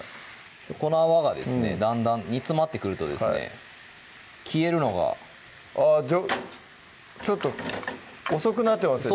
この泡がですねだんだん煮詰まってくるとですね消えるのがあぁちょっと遅くなってますね